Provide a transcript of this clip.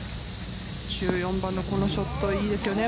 １４番のこのショットいいですよね。